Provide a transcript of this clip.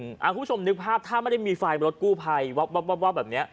คุณผู้ชมนึกภาพถ้าไม่ได้มีไฟรถกู้ภัยวับแบบนี้